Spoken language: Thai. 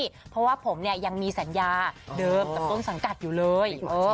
เพราะว่าผมเนี่ยยังมีสัญญาเดิมกับต้นสังกัดอยู่เลย